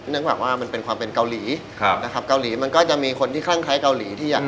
เนื่องจากว่ามันเป็นความเป็นเกาหลีนะครับเกาหลีมันก็จะมีคนที่คลั่งท้ายเกาหลี